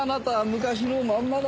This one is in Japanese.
昔のまんまだ。